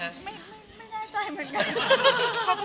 ไม่แน่ใจเหมือนกัน